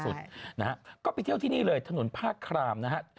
นะฮะก็ไปเที่ยวที่นี่เลยถนนภาคครามนะฮะ